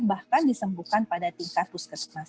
bahkan disembuhkan pada tingkat puskesmas